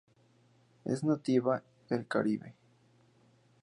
Es nativa del Caribe.